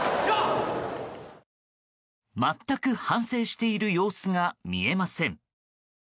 全く反省している様子が見えません。